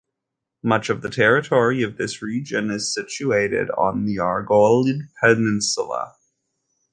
Much of the territory of this region is situated in the Argolid Peninsula.